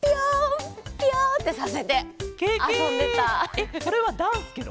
えっそれはダンスケロ？